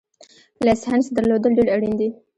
لایسنس درلودل ډېر اړین دي